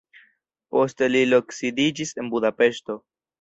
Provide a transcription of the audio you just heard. Poste li loksidiĝis en Budapeŝto.